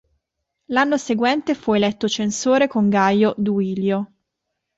L'anno seguente fu eletto censore con Gaio Duilio.